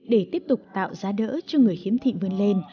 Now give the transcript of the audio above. để tiếp tục tạo giá đỡ cho người khiếm thị vươn lên